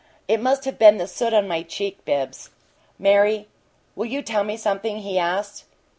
"It must have been the soot on my cheek, Bibbs." "Mary, will you tell me something?" he asked.